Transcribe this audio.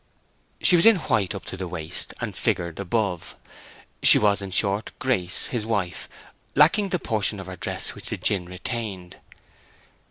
She was in white up to the waist, and figured above. She was, in short, Grace, his wife, lacking the portion of her dress which the gin retained.